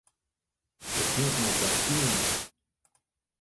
It hinget my ta de kiel út.